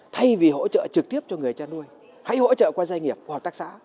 thay vì hỗ trợ trực tiếp cho người chăn nuôi hãy hỗ trợ qua doanh nghiệp hợp tác xã